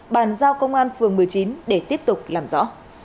bàn giao công an phường một mươi chín để tiếp tục làm rõ